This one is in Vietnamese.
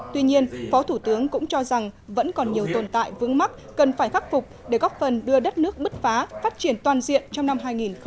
tuy nhiên phó thủ tướng cũng cho rằng vẫn còn nhiều tồn tại vướng mắc cần phải khắc phục để góp phần đưa đất nước bứt phá phát triển toàn diện trong năm hai nghìn hai mươi